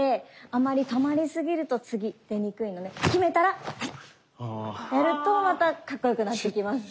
あまり止まりすぎると次出にくいので極めたらやるとまたかっこよくなってきます。